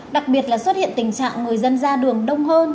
đặc biệt là xuất hiện tình trạng người dân ra đường đông hơn